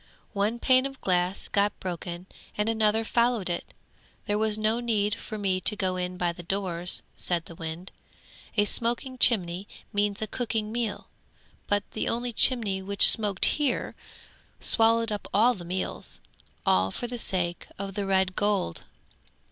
One pane of glass got broken and another followed it. There was no need for me to go in by the doors,' said the wind. 'A smoking chimney means a cooking meal, but the only chimney which smoked here swallowed up all the meals, all for the sake of the red gold.